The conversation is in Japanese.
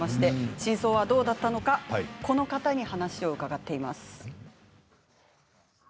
真相はどうだったのか、この方にお話を伺っています。